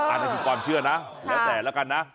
อันนี้คือความเชื่อนะแล้วแต่ละกันนะ